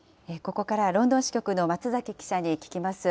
ここからはロンドン支局の松崎記者に聞きます。